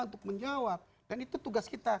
untuk menjawab dan itu tugas kita